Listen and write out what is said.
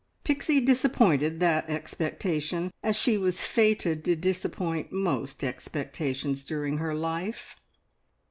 Pixie disappointed that expectation, as she was fated to disappoint most expectations during her life.